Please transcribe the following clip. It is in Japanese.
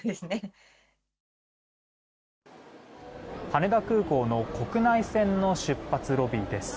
羽田空港の国内線の出発ロビーです。